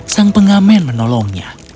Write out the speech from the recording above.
sang pengamen menolongnya